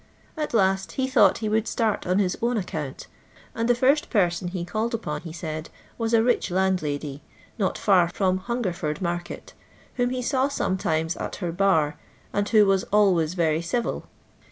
At last he thought he would •tart on his own account, and the first person he called upon, he said, was a rich landlady, not fiir from Hungerford markct, whom he saw sometimes at her bar, and who was always very civil.